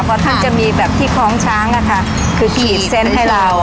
เพราะท่านจะมีแบบที่คล้องช้างอะค่ะคือขีดเส้นให้เรา